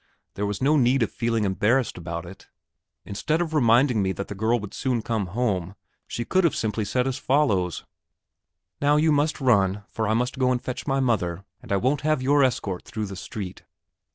There was no need of feeling embarrassed about it. Instead of reminding me that the girl would soon come home, she could have simply said as follows: "Now you must run, for I must go and fetch my mother, and I won't have your escort through the street."